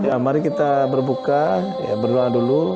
ya mari kita berbuka berdoa dulu